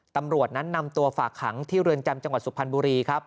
ตำรวจนั้นนำตัวฝากขังที่เรือนจำจังหวัดสุพรรณบุรีครับ